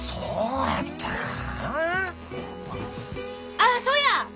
あっそや！